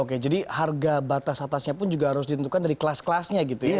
oke jadi harga batas atasnya pun juga harus ditentukan dari kelas kelasnya gitu ya